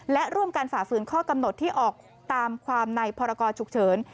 และร่วมกันฝ่าฝืนข้อกำหนดที่ออกตามความในพรกรฉุกเฉิน